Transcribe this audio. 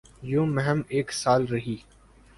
یوں مہم ایک سال رہی۔